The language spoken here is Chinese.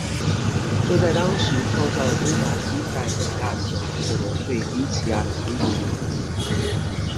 这在当时创下了侦察机在北大西洋测得最低气压的新纪录。